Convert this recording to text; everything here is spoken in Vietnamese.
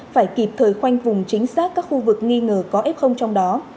phải kịp thời khoanh vùng chính xác các khu vực nghi ngờ có f trong đó